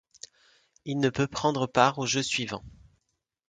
Il ne peut prendre part aux Jeux suivants.